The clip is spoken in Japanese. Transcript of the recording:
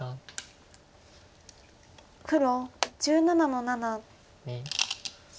黒１７の七。